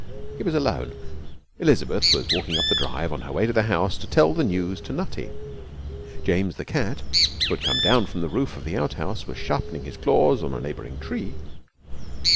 He was alone. Elizabeth was walking up the drive on her way to the house to tell the news to Nutty. James, the cat, who had come down from the roof of the outhouse, was sharpening his claws on a neighbouring tree.